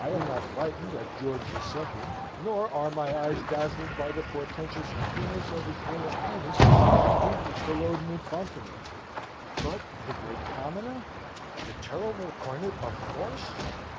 I am not frightened at George the Second; nor are my eyes dazzled by the portentous appearance of his Royal Highness the Duke of Culloden and Fontenoy; but the Great Commoner, the terrible Cornet of Horse!